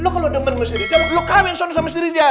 lo kalau demen sama si rizal lo kawin sama si rizal